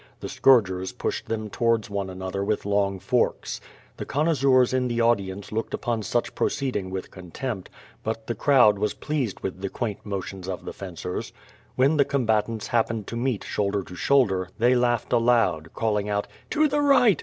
The scourgers pushed them towards one another with long forks. The connoisseurs in the audience looked upon such proceeding with contempt, but the crowd was pleased with the quaint motions of the fencers. When the combatants happened to meet shoulder to shoulder, they laughed aloud, calling out, "To the right!"